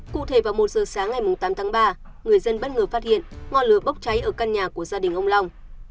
cụ thể vào một giờ sáng ngày tám tháng ba người dân bất ngờ phát hiện ngọn lửa bốc cháy ở căn nhà của gia đình ông long